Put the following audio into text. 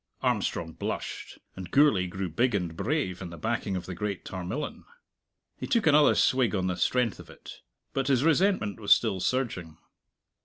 Armstrong blushed; and Gourlay grew big and brave, in the backing of the great Tarmillan. He took another swig on the strength of it. But his resentment was still surging.